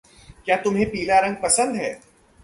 क्या तुम्हें पीला रंग पसंद है?